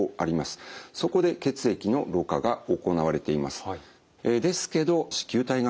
そこで血液のろ過が行われています。